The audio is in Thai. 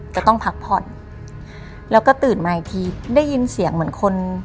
จะต้องพักผ่อนแล้วก็ตื่นมาอีกทีได้ยินเสียงเหมือนคน